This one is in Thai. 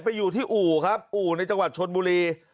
เป็นอยู่ที่อู่อู่ในจังหวัดชนบุรี